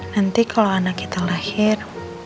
nanti kalau anak kita lahir